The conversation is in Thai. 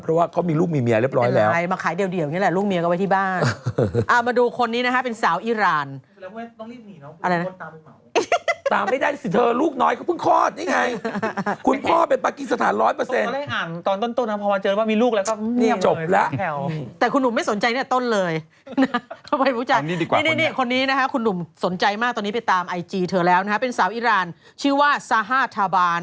เป็นแสวอีรานชื่อว่าซาฮาทาบา